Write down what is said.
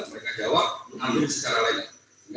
mereka jawab mengambil secara lain